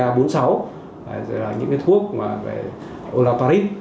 rồi là những cái thuốc về olaparib